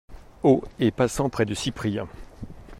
Haut, et passant près de Cyprien.